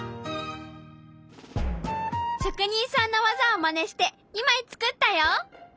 職人さんの技をまねして２枚作ったよ！